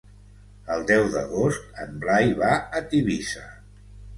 El deu d'agost en Blai va a Tivissa.